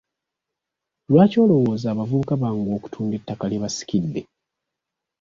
Lwaki olowooza abavubuka banguwa okutunda ettaka lye basikidde?